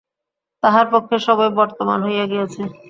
তাহার পক্ষে সবই বর্তমান হইয়া গিয়াছে।